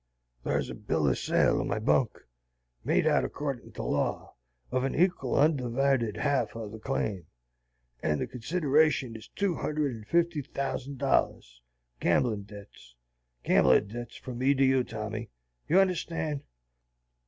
"Thar's a bill o' sale in my bunk, made out accordin' to law, of an ekal ondivided half of the claim, and the consideration is two hundred and fifty thousand dollars, gambling debts, gambling debts from me to you, Tommy, you understand?"